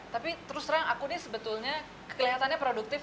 tapi terus terang aku nih sebetulnya kelihatannya produktif